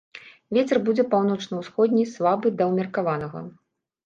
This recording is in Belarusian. Вецер будзе паўночна-ўсходні слабы да ўмеркаванага.